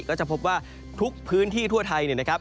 ก็จะพบว่าทุกพื้นที่ทั่วไทยเนี่ยนะครับ